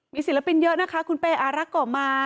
มีศิลปินเยอะนะคะคุณเป้อารักษ์ก่อมา